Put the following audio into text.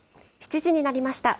７時になりました。